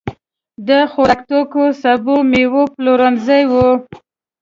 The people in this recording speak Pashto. د خوراکتوکو، سبو، مېوو پلورنځي وو.